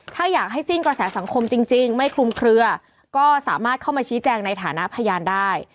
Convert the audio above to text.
ถ้าอยากให้สิ้นกระแสสังคมจริงไม่คลุมเคลือก็สามารถเข้ามาชี้แจงในฐานะพยานได้